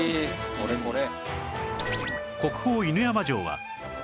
これこれ。